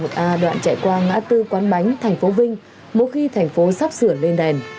quốc lộ một a đoạn chạy qua ngã tư quán bánh thành phố vinh mỗi khi thành phố sắp sửa lên đèn